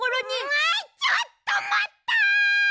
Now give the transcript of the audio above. あちょっとまった！